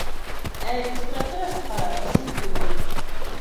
Ә регистратураһыҙ ҡарар ысын түгел.